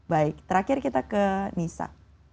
baik terakhir kita ke nisa